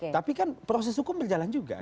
tapi kan proses hukum berjalan juga